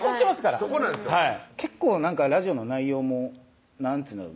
結構ラジオの内容もなんつうんだろう